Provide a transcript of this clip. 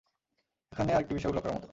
এখানে আরেকটি বিষয় উল্লেখ করার মতো।